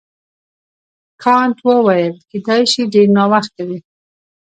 کانت وویل کیدای شي ډېر ناوخته وي.